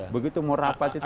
begitu mau rapat itu